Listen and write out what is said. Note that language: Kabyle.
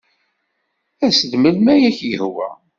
As-d melmi ay ak-yehwa.